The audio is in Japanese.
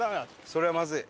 それはまずい。